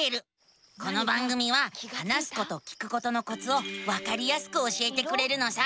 この番組は話すこと聞くことのコツをわかりやすく教えてくれるのさ。